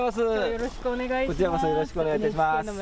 よろしくお願いします。